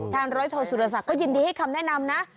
ทางร้อยโทรสูรสักก็ยินดีให้คำแนะนำนะ